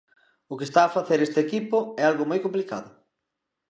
O que está a facer este equipo é algo moi complicado.